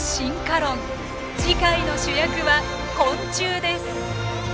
次回の主役は昆虫です。